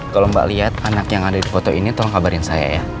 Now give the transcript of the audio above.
kalau mbak lihat anak yang ada di foto ini tolong kabarin saya ya